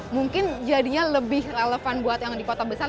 mungkin jadinya lebih relevan buat yang di kota besar